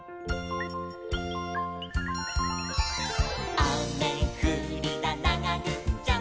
「あめふりだながぐっちゃん！！」